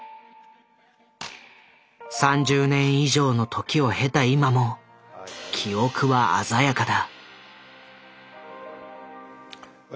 ３０年以上の時を経た今も記憶は鮮やかだ。